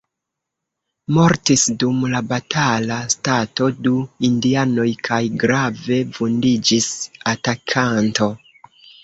Mortis dum la batala stato du indianoj kaj grave vundiĝis atakanto.